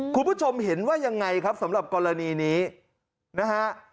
คุณผู้ชมเห็นว่ายังไงครับสำหรับกรณีนี้นะฮะ